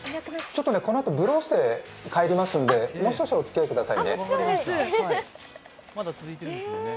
ちょっとこのあとブローして帰りますんでもう少々お付き合いくださいね。